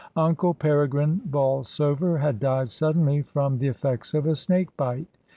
Unci: Peregrine Bolsover had died suddenly from th^ effects of a snake bite.